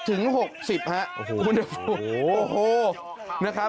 ๔๐๖๐อุณหภูมิโอ้โฮ